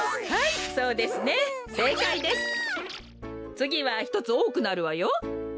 つぎは１つおおくなるわよ。